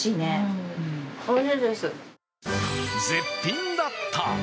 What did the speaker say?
絶品だった！